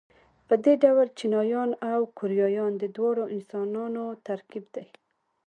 په دې ډول چینایان او کوریایان د دواړو انسانانو ترکیب دي.